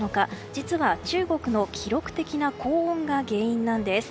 実は中国の記録的な高温が原因なんです。